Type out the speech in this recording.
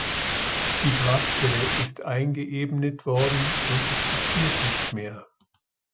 Die Grabstelle ist eingeebnet worden und existiert nicht mehr.